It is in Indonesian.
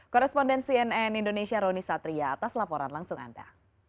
koresponden cnn indonesia roni satria atas laporan langsung anda